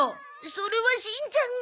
それはしんちゃんが。